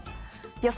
予想